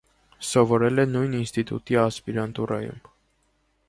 Սովորել է նույն ինստիտուտի ասպիրանտուրայում։